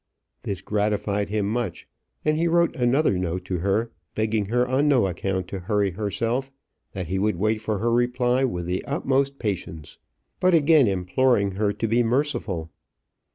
This gratified him much, and he wrote another note to her, begging her on no account to hurry herself; that he would wait for her reply with the utmost patience; but again imploring her to be merciful.